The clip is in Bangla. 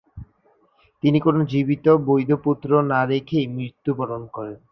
তিনি কোন জীবিত বৈধ পুত্র না রেখেই মৃত্যুবরণ করেন।